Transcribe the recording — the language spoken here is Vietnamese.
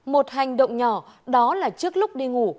một hành động nhỏ đó là trước lúc đi ngủ